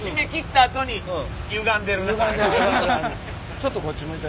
ちょっとこっち向いて。